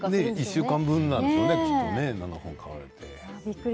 １週間分なんでしょうね７本買って。